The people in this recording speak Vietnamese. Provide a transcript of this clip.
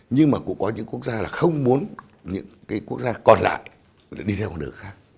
nhưng mà cũng có những quốc gia là không muốn những cái quốc gia còn lại đi theo con đường khác